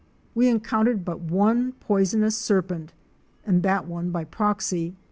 We encountered but one poisonous serpent, and that one by proxy.